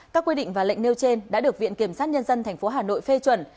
các quy định và lệnh nêu trên đã được viện kiểm sát nhân dân tp hà nội phê chuẩn